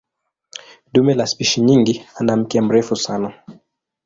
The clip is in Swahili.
Dume la spishi nyingi ana mkia mrefu sana.